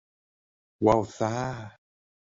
ว้าวซ่า